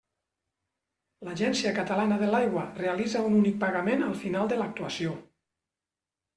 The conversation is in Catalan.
L'Agència Catalana de l'Aigua realitza un únic pagament al final de l'actuació.